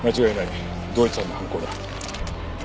同一犯の犯行だ。